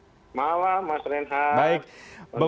selamat malam mas renha